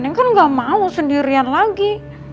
ini kan gak mau sendirian lagi